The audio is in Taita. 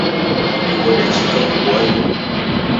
Mudi ghodechika uko aighu